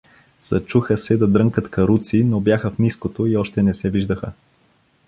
Зачуха се да дрънкат каруци, но бяха в ниското и още не се виждаха.